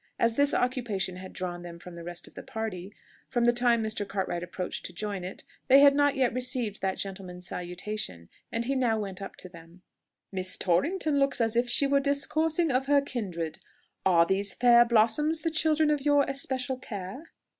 As this occupation had drawn them from the rest of the party from the time Mr. Cartwright approached to join it, they had not yet received that gentleman's salutation, and he now went up to them. "Miss Torrington looks as if she were discoursing of her kindred. Are these fair blossoms the children of your especial care?"